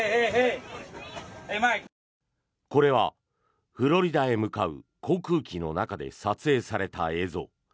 これはフロリダへ向かう航空機の中で撮影された映像。